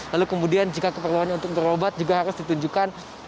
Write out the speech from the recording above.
lalu kemudian jika keperluannya untuk berobat juga harus ditunjukkan